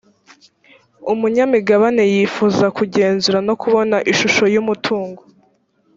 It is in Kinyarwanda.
umunyamigabane yifuza kugenzura no kubona ishusho y’umutungo